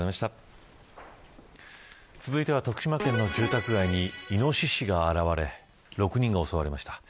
続いては徳島県の住宅街にイノシシが現れ６人が襲われました。